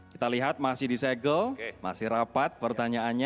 kita lihat masih disegel masih rapat pertanyaannya